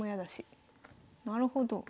なるほど。